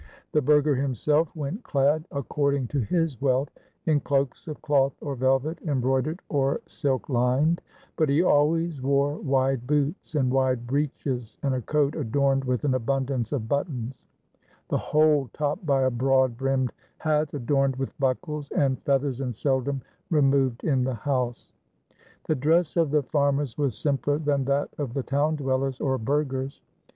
The burgher himself went clad, according to his wealth, in cloaks of cloth or velvet, embroidered or silk lined; but he always wore wide boots and wide breeches and a coat adorned with an abundance of buttons, the whole topped by a broad brimmed hat adorned with buckles and feathers and seldom removed in the house. The dress of the farmers was simpler than that of the town dwellers or burghers.